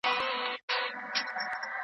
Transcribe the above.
هغه پلانونه چي پلي سول، ډېر بریالي وو.